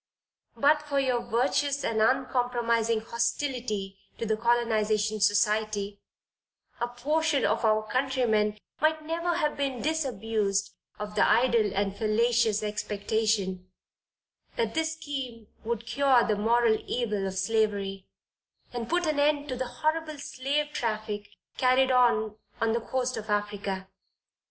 But for your virtuous and uncompromising hostility to the Colonization Society, a portion of our countrymen might never have been disabused of the idle and fallacious expectation, that this scheme would cure the moral evil of slavery, and put an end to the horrible slave traffic carried on on the coast of Africa.